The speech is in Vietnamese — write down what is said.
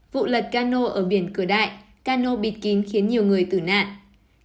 vụ lật cano ở biển cửa đại cano bịt kín khiến nhiều người tử nạn